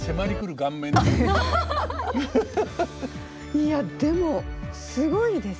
いやでもすごいです。